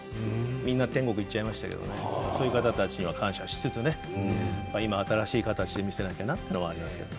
みんな天国にいっちゃいましたけれどそういう方たちにも感謝しつつ今、新しい形で見せなきゃなっていうのありますけれど。